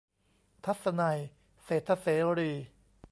ทัศนัย เศรษฐเสรี